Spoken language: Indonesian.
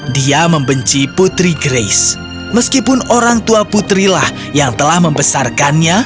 dia membenci putri grace meskipun orang tua putrilah yang telah membesarkannya